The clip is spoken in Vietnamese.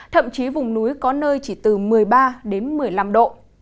thậm chí vùng núi có nơi chỉ từ một mươi ba đến một mươi năm độ